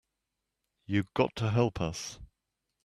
You got to help us.